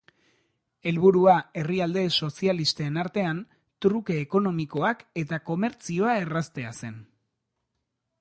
Helburua herrialde sozialisten artean truke ekonomikoak eta komertzioa erraztea zen.